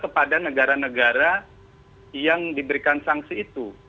kepada negara negara yang diberikan sanksi itu